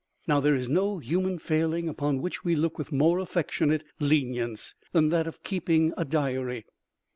Now there is no human failing upon which we look with more affectionate lenience than that of keeping a diary.